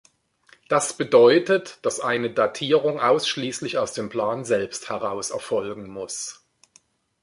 Das bedeutet, dass eine Datierung ausschließlich aus dem Plan selbst heraus erfolgen muss.